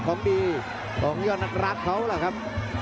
ของดีของยอดนักรักเขาล่ะครับ